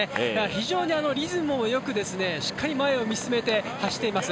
非常にリズムよく、しっかり前を見つめて走っています。